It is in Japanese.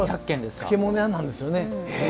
漬物屋なんですよね。